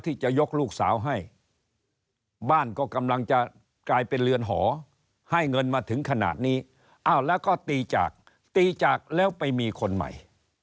ที่จะยกลูกสาวให้บ้านก็กำลังจะกลายเป็นเรือนหอให้เงินมาถึงขนาดนี้อ้าวแล้วก็ตีจากตีจากแล้วไปมีคนใหม่